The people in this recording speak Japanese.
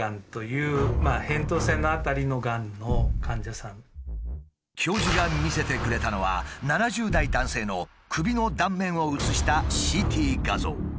さらに教授が見せてくれたのは７０代男性の首の断面を写したＣＴ画像。